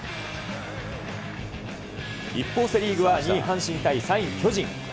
一方、セ・リーグは２位阪神対３位巨人。